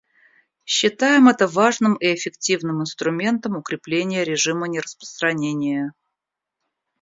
Считаем это важным и эффективным инструментом укрепления режима нераспространения.